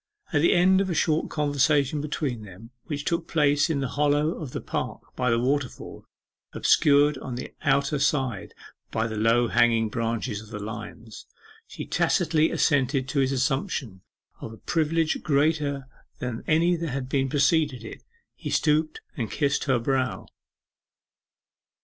At the end of a short conversation between them, which took place in the hollow of the park by the waterfall, obscured on the outer side by the low hanging branches of the limes, she tacitly assented to his assumption of a privilege greater than any that had preceded it. He stooped and kissed her brow.